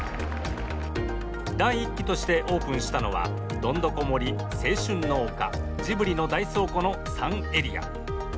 第１期としてオープンしたのはどんどこ森、青春の丘、ジブリの大倉庫の３エリア。